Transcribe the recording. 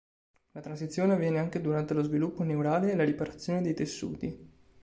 La transizione avviene anche durante lo sviluppo neurale e la riparazione dei tessuti.